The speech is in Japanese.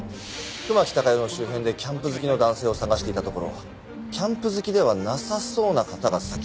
熊木貴代の周辺でキャンプ好きの男性を捜していたところキャンプ好きではなさそうな方が先に見つかりました。